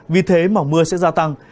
vì thế mà mưa sẽ gia tăng